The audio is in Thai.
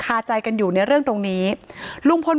ถ้าใครอยากรู้ว่าลุงพลมีโปรแกรมทำอะไรที่ไหนยังไง